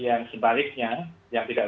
yang sebaliknya yang tidak